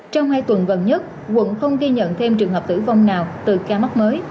trong hai tuần gần nhất quận không ghi nhận thêm trường hợp tử vong nào từ ca mắc mới